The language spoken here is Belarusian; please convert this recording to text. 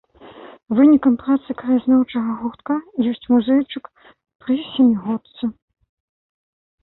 Вынікам працы краязнаўчага гуртка ёсць музейчык пры сямігодцы.